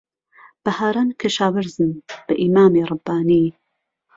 بههاران کهشاوهرزم به ئیمامێ رهببانی